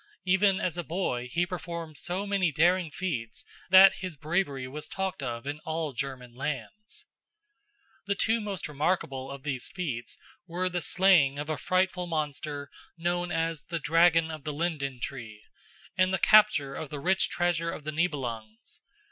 Even as a boy he performed so many daring feats that his bravery was talked of in all German lands. The two most remarkable of these feats were the slaying of a frightful monster known as the "Dragon of the Linden tree" and the capture of the rich treasure of the Nibelungs.